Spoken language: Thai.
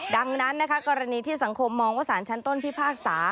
ดังนั้นนะคะกรณีที่สังคมมองว่าสารชั้นต้นพิพากษา